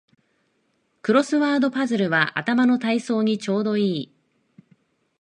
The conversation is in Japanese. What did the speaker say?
クロスワードパズルは頭の体操にちょうどいい